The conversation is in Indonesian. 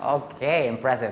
oke terima kasih